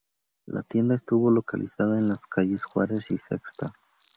La tienda estuvo localizada en las calles Juárez y Sexta.